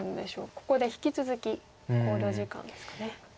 ここで引き続き考慮時間ですかね。